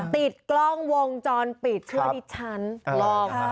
ติดกล้องวงจรปิดช่วยดิฉันลอง